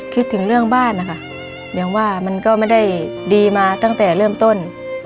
คิดถึงเรื่องบ้านนะคะอย่างว่ามันก็ไม่ได้ดีมาตั้งแต่เริ่มต้น